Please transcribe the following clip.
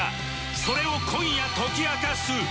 それを今夜解き明かす